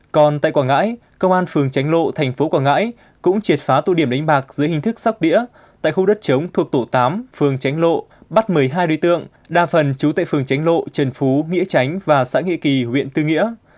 còn tại quảng ngãi công an phường tránh lộ thành phố quảng ngãi cũng triệt phá tụ điểm đánh bạc dưới hình thức sóc đĩa tại khu đất chống thuộc tổ tám phường tránh lộ bắt một mươi hai đối tượng đa phần trú tại phường tránh lộ trần phú nghĩa tránh và xã nghĩa kỳ huyện tư nghĩa